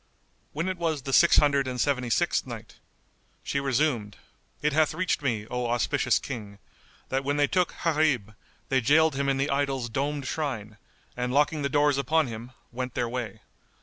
When it was the Six Hundred and Seventy sixth Night, She resumed, It hath reached me, O auspicious King, that when they took Gharib, they jailed him in the idol's domed shrine; and locking the doors upon him, went their way.